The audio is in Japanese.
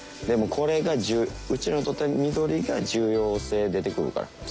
でもこれがうちらの採った緑が重要性出てくるから。